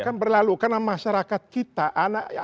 akan berlalu karena masyarakat kita anak anak kita